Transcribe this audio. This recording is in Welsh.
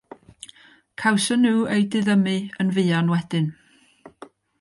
Cawson nhw eu diddymu yn fuan wedyn.